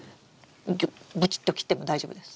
ブチッと切っても大丈夫です。